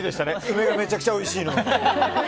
梅がめちゃくちゃおいしいの。